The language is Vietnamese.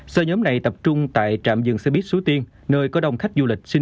sở nhóm này tập trung tại trạm dừng xe buýt sú tiên nơi có đông khách du lịch sinh